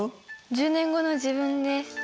１０年後の自分です。